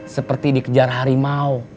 seperti dikejar harimau